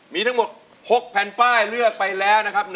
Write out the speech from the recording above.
มีทั้งหมด๖แผ่นป้ายเลือกไปแล้วนะครับ